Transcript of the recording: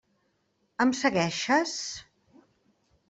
Em segueixes?